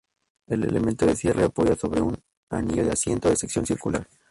El elemento de cierre apoya sobre un anillo de asiento, de sección circular.